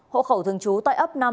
hộ khẩu thường trú tại ấp năm